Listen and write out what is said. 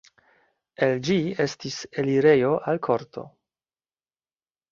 El ĝi estis elirejo al korto.